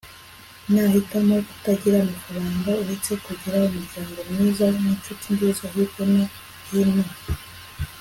nahitamo kutagira amafaranga uretse kugira umuryango mwiza n'inshuti nziza hirya no hino. - li na